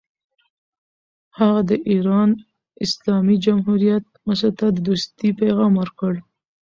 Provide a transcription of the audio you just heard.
هغه د ایران اسلامي جمهوریت مشر ته د دوستۍ پیغام ورکړ.